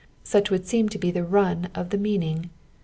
such would seem to be the run of the meaning.